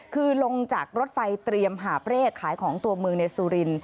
คือลงจากรถไฟเตรียมหาบเร่ขายของตัวเมืองในสุริน